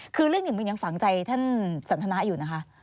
คือเรื่องหนึ่งมึงยังฝังใจท่านสันทนาอยู่นะคะ